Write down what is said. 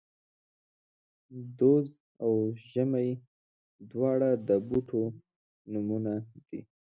دوز او زمۍ، دواړه د بوټو نومونه دي